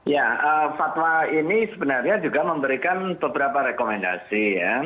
ya fatwa ini sebenarnya juga memberikan beberapa rekomendasi ya